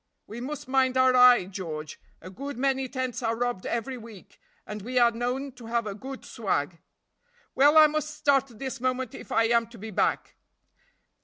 We must mind our eye, George; a good many tents are robbed every week, and we are known to have a good swag." "Well, I must start this moment if I am to be back."